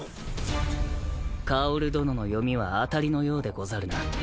薫殿の読みは当たりのようでござるな。